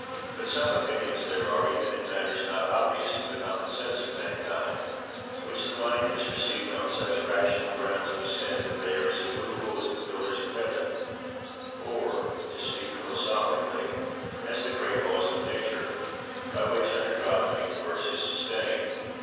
But some opinions there are, even in matters not obvious to the common sense of mankind, which the mind has received on such rational grounds of assent that they are as immovable as the pillars of heaven, or (to speak philosophically) as the great laws of Nature, by which, under God, the universe is sustained.